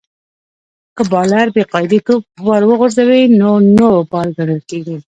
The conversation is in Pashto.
که بالر بې قاعدې توپ ور وغورځوي؛ نو نو بال ګڼل کیږي.